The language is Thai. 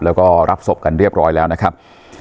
แล้วก็รับศพกันเรียบร้อยแล้วนะครับ